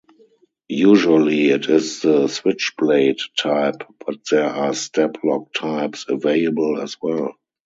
Usually it is the switchblade type but there are step-lock types available as well.